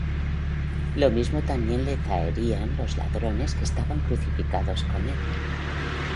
Lo mismo también le zaherían los ladrones que estaban crucificados con él.